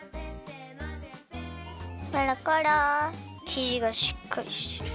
きじがしっかりしてる。